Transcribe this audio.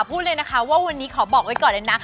พูดเลยนะคะว่าวันนี้ขอบอกไว้ก่อนเลยนะ